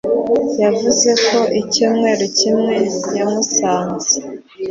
Yavuze ko icyumweru kimwe yamusanze